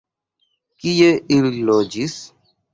Kie ili loĝis?